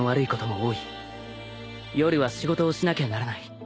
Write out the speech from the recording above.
夜は仕事をしなきゃならない。